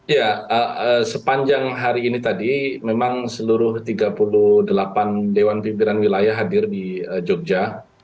ya sepanjang hari ini tadi memang seluruh tiga puluh delapan dewan pimpinan wilayah hadir di jogja